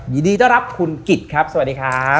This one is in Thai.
ยินดีต้อนรับคุณกิจครับสวัสดีครับ